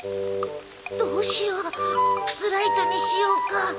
どうしようプスライトにしようか